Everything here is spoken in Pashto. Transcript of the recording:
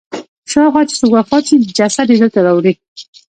شاوخوا چې څوک وفات شي جسد یې دلته راوړي.